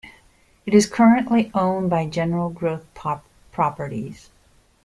It is currently owned by General Growth Properties.